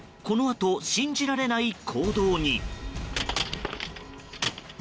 このあと信じられない行動に。